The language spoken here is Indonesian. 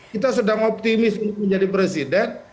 kita sedang optimis untuk menjadi presiden